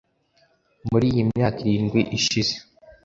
muri iyi myaka irindwi ishize